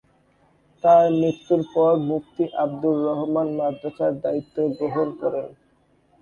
তার মৃত্যুর পর মুফতি আবদুর রহমান মাদ্রাসার দায়িত্ব গ্রহণ করেন।